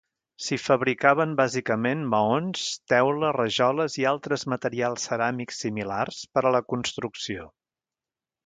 S'hi fabricaven bàsicament maons, teules, rajoles i altres materials ceràmics similars per a la construcció.